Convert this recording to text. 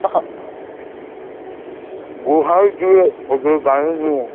গুহায় গিয়ে ওদের গাড়ি করে নিয়ে এলে কেমন হয়?